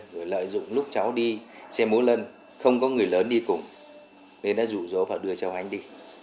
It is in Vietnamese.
người lợi dụng lúc cháu đi xe múa lân không có người lớn đi cùng nên đã rủ rối và đưa cháu anh đi